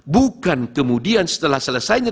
bukan kemudian setelah selesainya